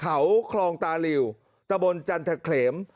เขาคลองตาหลิวตะบนจันทะเขม